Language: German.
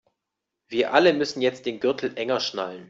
Wir alle müssen jetzt den Gürtel enger schnallen.